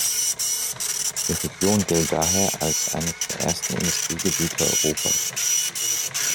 Die Region gilt daher als eines der ersten Industriegebiete Europas.